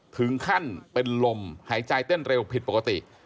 ถึงขั้นเป็นลมหายใจเต้นเร็วผิดปกติ